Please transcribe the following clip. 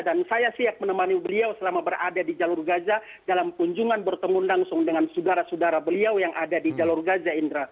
dan saya siap menemani beliau selama berada di jalur gaza dalam kunjungan bertemu langsung dengan saudara saudara beliau yang ada di jalur gaza indra